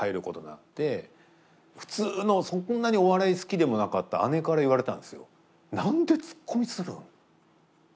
普通のそんなにお笑い好きでもなかった姉から言われたんですよ。